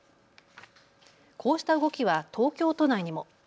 こうした動きは東京都内にも。